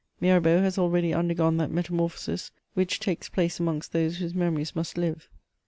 Mirabeau has already undergone that roetamorphoms which takes place amongst those whose memories roust Hve.